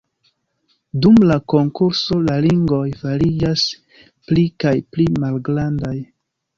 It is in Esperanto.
Dum la konkurso la ringoj fariĝas pli kaj pli malgrandaj.